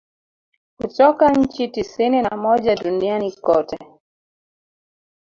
Kutoka nchi tisini na moja duniani kote